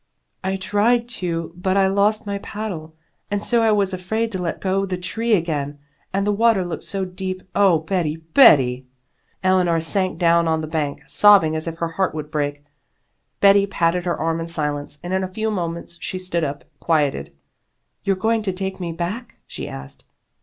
"I tried to, but I lost my paddle, and so I was afraid to let go the tree again, and the water looked so deep. Oh, Betty, Betty!" Eleanor sank down on the bank, sobbing as if her heart would break. Betty patted her arm in silence, and in a few moments she stood up, quieted. "You're going to take me back?" she asked.